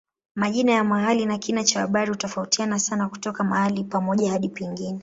Majina ya mahali na kina cha habari hutofautiana sana kutoka mahali pamoja hadi pengine.